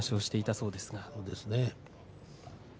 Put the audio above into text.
そうですね。